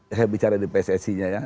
saya bicara di pssi nya ya